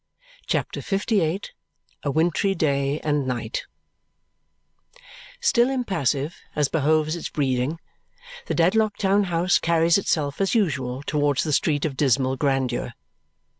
CHAPTER LVIII A Wintry Day and Night Still impassive, as behoves its breeding, the Dedlock town house carries itself as usual towards the street of dismal grandeur.